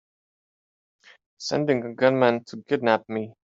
Sending a gunman to kidnap me!